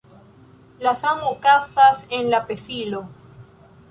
La samo okazas en la pesilo.